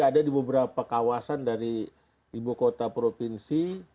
ada di beberapa kawasan dari ibu kota provinsi